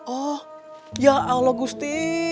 oh ya allah gusti